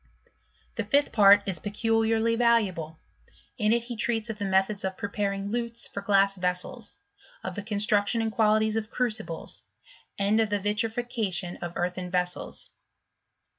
The fifth part is peculiarly valuable ; in it he treats of the methods of preparing lutes for glass vessels, of the construction and qualities of crucibles, and of the vitrification of earthen vessels.